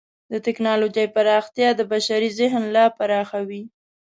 د ټکنالوجۍ پراختیا د بشري ذهن لا پراخوي.